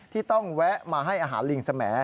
ที่ต้องแวะมาให้อาหารลิงสมัย